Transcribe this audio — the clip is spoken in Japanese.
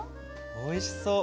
おいしそう。